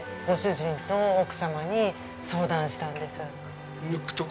ご主人と奥様に相談したんです。